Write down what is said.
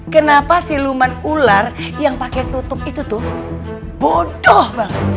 kenapa siluman ular yang pakai tutup itu tuh bodoh banget